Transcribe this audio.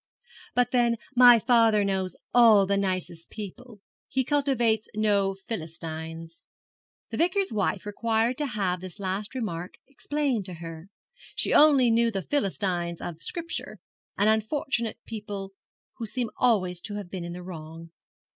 'But then my father knows all the nicest people; he cultivates no Philistines.' The Vicar's wife required to have this last remark explained to her. She only knew the Philistines of Scripture, an unfortunate people who seem always to have been in the wrong.